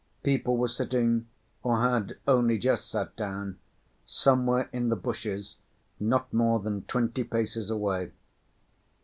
People were sitting, or had only just sat down, somewhere in the bushes not more than twenty paces away.